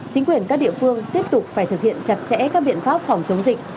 chính quyền các địa phương tiếp tục phải thực hiện chặt chẽ các biện pháp phòng chống dịch